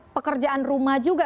pekerjaan rumah juga